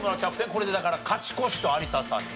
これでだから勝ち越しと有田さんにね。